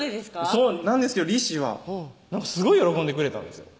そうなんですけどリーシーはすごい喜んでくれたんですよ